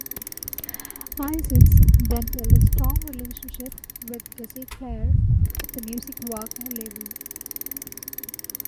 Isaacs then built a strong relationship with Gussie Clarke of the Music Works label.